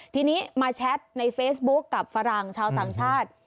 ทีนี้มาแชทในเฟซบุ๊คกับฝรั่งชาวต่างชาติ